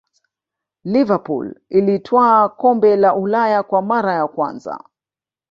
liverpool ilitwaa kombe la ulaya kwa mara ya kwanza